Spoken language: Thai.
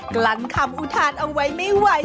กลั้นคำอุทานเอาไว้ไม่ไหว